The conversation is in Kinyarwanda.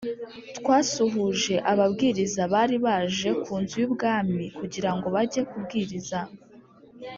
Twasuhuje ababwiriza bari baje ku nzu y ubwami kugira ngo bajye kubwiriza